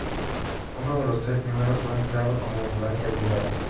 Uno de los tres primeros fue empleado como ambulancia blindada.